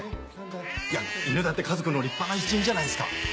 いや犬だって家族の立派な一員じゃないですか。